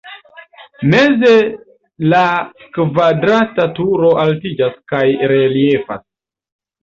Meze la kvadrata turo altiĝas kaj reliefas.